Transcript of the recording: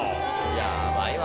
やばいわ。